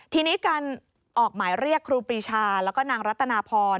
ทีนี้การออกหมายเรียกครูปรีชาแล้วก็นางรัตนาพร